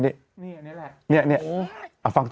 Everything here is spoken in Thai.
นี่แหละนี่ฟังสิ